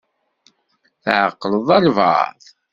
Tɛeqqleḍ albaɛḍ?